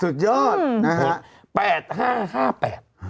สุดยอดนะครับ